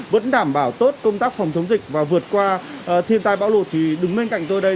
vẫn đảm bảo tốt công tác phòng chống dịch và vượt qua thiên tai bão lụt thì đứng bên cạnh tôi đây